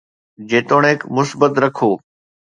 جيتوڻيڪ مثبت رکو